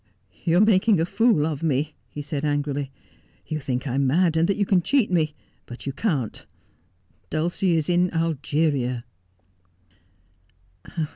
' You are making a fool of me,' he said angrily. ' You think I am mad and that you can cheat me, but you can't. Dulcie is in Algeria.'